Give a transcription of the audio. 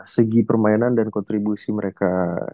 segi permainan dan kontribusi mereka